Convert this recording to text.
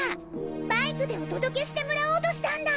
バイクでお届けしてもらおうとしたんだ！